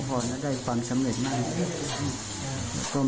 เพราะได้ความสำเร็จมากเอง